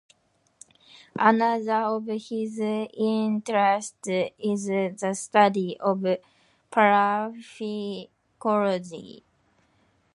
Another of his interests is the study of parapsychology.